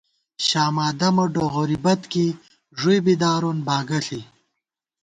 شاما دَمہ ڈوغوری بت کېئی ، ݫُوئی بی دارون باگہ ݪی